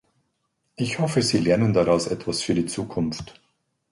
Ich hoffe, Sie lernen daraus etwas für die Zukunft.